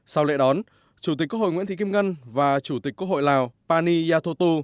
sau lễ đón chủ tịch quốc hội nguyễn thị kim ngân và chủ tịch quốc hội lào pani yathotu